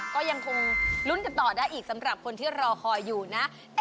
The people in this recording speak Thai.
ก็ยังคงลุ้นกันต่อได้อีกสำหรับคนที่รอคอยอยู่นะ